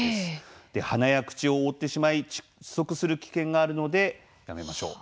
鼻や口を覆ってしまい窒息する危険があるのでやめましょう。